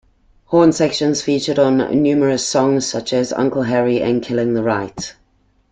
Horn sections featured on numerous songs, such as "Uncle Harry" and "Killing The Right".